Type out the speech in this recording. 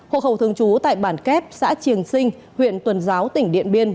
hộ khẩu thường trú tại bản kép xã triềng sinh huyện tuần giáo tỉnh điện biên